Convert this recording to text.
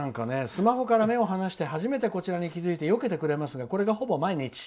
スマホから目を離して初めてこちらに気付いてよけてくれますがこれがほぼ毎日。